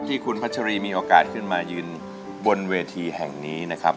ที่คุณพัชรีมีโอกาสขึ้นมายืนบนเวทีแห่งนี้นะครับ